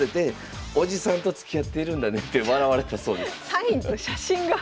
サインと写真が。